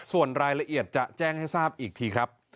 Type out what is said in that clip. ส่วนรายละเอียดจะแจ้งให้ทราบอีกทีครับ